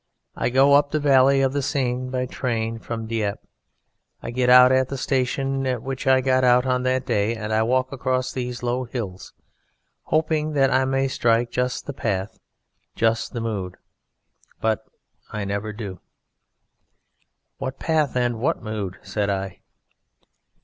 I go up the valley of the Seine by train from Dieppe; I get out at the station at which I got out on that day, and I walk across these low hills, hoping that I may strike just the path and just the mood but I never do." "What path and what mood?" said I.